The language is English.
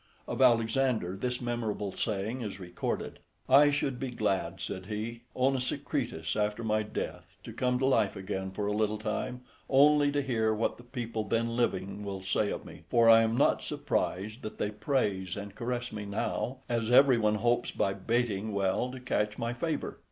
Of Alexander, this memorable saying is recorded: "I should be glad," said he, "Onesicritus, after my death, to come to life again for a little time, only to hear what the people then living will say of me; for I am not surprised that they praise and caress me now, as every one hopes by baiting well to catch my favour."